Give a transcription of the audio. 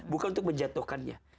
bukan untuk menjatuhkannya